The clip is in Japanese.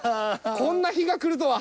こんな日が来るとは。